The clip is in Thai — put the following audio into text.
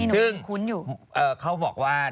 ซึ่งเขาบอกว่า